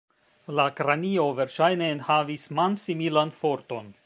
La kranio verŝajne enhavis man-similan forton.